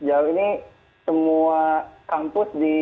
jadi semua pelajaran remote